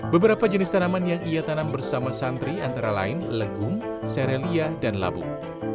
beberapa jenis tanaman yang ia tanam bersama santri antara lain legung serelia dan labuk